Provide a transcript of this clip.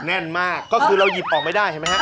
แน่นมากก็คือเราหยิบออกไม่ได้เห็นไหมฮะ